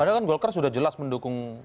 padahal kan golkar sudah jelas mendukung